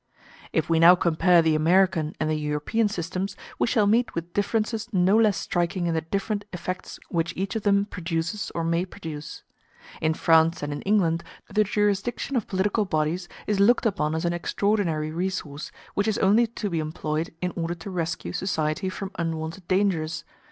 If we now compare the American and the European systems, we shall meet with differences no less striking in the different effects which each of them produces or may produce. In France and in England the jurisdiction of political bodies is looked upon as an extraordinary resource, which is only to be employed in order to rescue society from unwonted dangers.